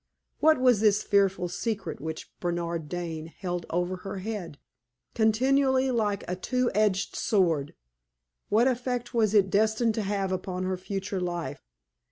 What was this fearful secret which Bernard Dane held over her head, continually like a two edged sword? What effect was it destined to have upon her future life?